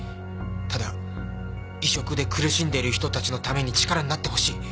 ただ「移植で苦しんでいる人たちのために力になってほしい」